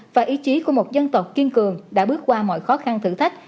và ý chí của một dân tộc kiên cường đã bước qua mọi khó khăn thử thách